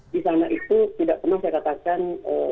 di sana itu tidak pernah saya katakan